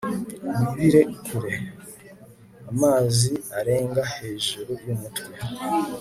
wibire kure, amazi arenga hejuru yumutwe